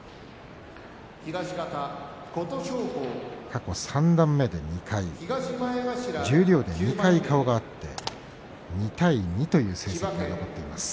過去三段目で２回十両でも２回顔が合って２対２という成績が残っています。